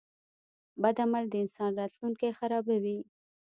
• بد عمل د انسان راتلونکی خرابوي.